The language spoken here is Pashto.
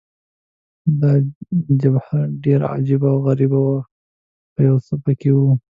دا جبهه ډېره عجبه او غریبه وه، خو یو څه په کې وو.